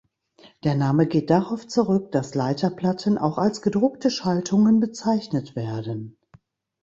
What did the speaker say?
Der Name geht darauf zurück, dass Leiterplatten auch als gedruckte Schaltungen bezeichnet werden.